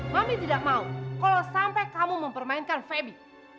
mami tidak mau kalau sampai kamu mempermainkan febi